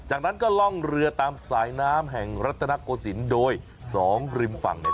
จากนั้นก็ล่องเรือตามสายน้ำแห่งรัฐนโกศิลป์โดยสองริมฝั่งเนี่ย